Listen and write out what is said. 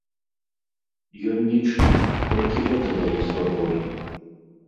Ён нічый, толькі гэта дае свабоду.